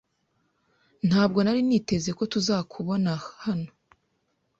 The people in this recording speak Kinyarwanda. Ntabwo nari niteze ko tuzakubona hano.